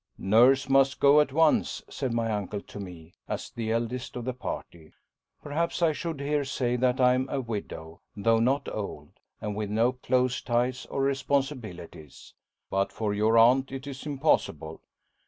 "Nurse must go at once," said my uncle to me, as the eldest of the party. Perhaps I should here say that I am a widow, though not old, and with no close ties or responsibilities. "But for your aunt it is impossible."